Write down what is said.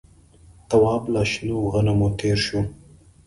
تواب له شنو غنمو تېر شو.